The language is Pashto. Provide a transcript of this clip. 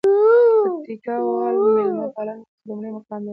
پکتياوال ميلمه پالنه کې لومړى مقام لري.